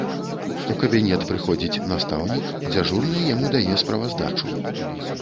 У кабінет прыходзіць настаўнік, дзяжурны яму дае справаздачу.